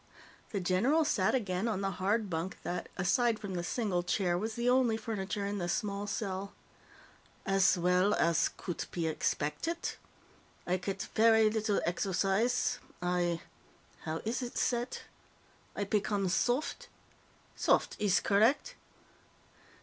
The general sat again on the hard bunk that, aside from the single chair, was the only furniture in the small cell. "Ass well ass coot pe expectet. I ket ferry little exercisse. I ... how iss it set? ... I pecome soft? Soft? Iss correct?"